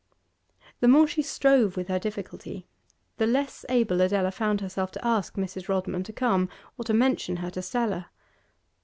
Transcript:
The more she strove with her difficulty the less able Adela felt herself to ask Mrs. Rodman to come or to mention her to Stella.